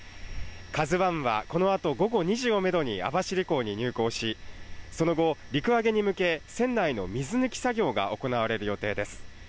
「ＫＡＺＵ１」はこの後、午後２時をめどに網走港に入港し、その後、陸揚げに向け船内の水抜き作業が行われる予定です。